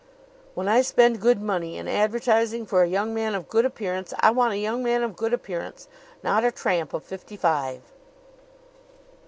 When I spend good money in advertising for a young man of good appearance, I want a young man of good appearance not a tramp of fifty five."